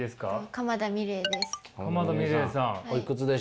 鎌田美礼です。